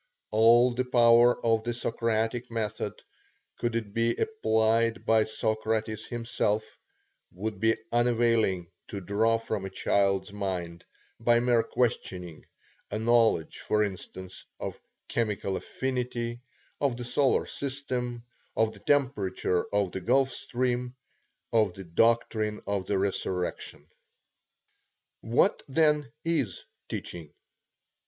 All the power of the Socratic method, could it be applied by Socrates himself, would be unavailing to draw from a child's mind, by mere questioning, a knowledge, for instance, of chemical affinity, of the solar system, of the temperature of the Gulf Stream, of the doctrine of the resurrection. What, then, is teaching?